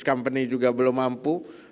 company juga belum mampu